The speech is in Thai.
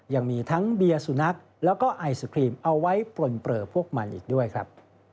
ยังมีทั้งเบียร์สุนัขแล้วก็ไอศครีมเอาไว้ปลนเปลือพวกมันอีกด้วยครับ